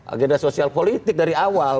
agenda sosial politik dari awal